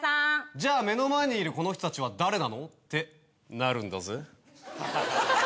じゃあ目の前にいるこの人たちは誰なの？ってなるんだぜ。